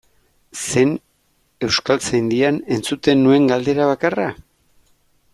Zen Euskaltzaindian entzuten nuen galdera bakarra?